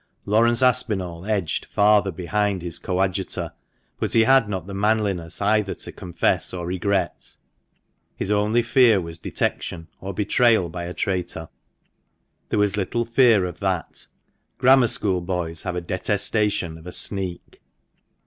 Laurence Aspinall edged farther behind his coadjutor, but he had not the manliness either to confess or regret. His only fear was detection, or betrayal by a traitor. There was little fear of that ; grammar school boys have a detestation of a "sneak."